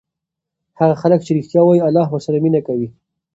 هغه خلک چې ریښتیا وایي الله ورسره مینه کوي.